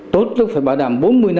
tốt lúc phải bảo đảm bốn mươi năm mươi